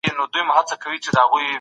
که اړيکي قوي وي ژوند ښکلی کيږي.